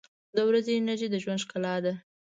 • د ورځې انرژي د ژوند ښکلا ده.